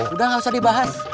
udah gak usah dibahas